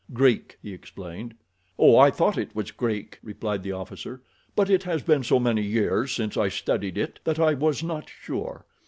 "Greek," he explained. "Oh, I thought it was Greek," replied the officer; "but it has been so many years since I studied it that I was not sure.